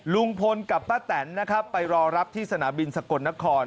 ลุงพลกับป้าแตนนะครับไปรอรับที่สนามบินสกลนคร